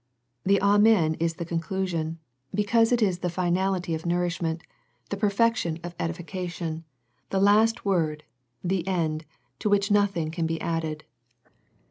The Amen is the conclusion, because it is the finality of nourishment, the perfection of edification, the The Laodicea Letter 191 last word, the end, to which nothing can be added.